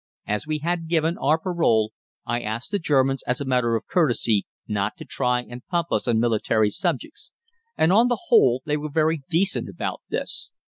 As we had given our parole, I asked the Germans as a matter of courtesy not to try and "pump" us on military subjects, and on the whole they were very decent about this.